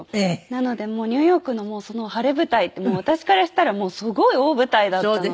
なのでもうニューヨークの晴れ舞台って私からしたらもうすごい大舞台だったので。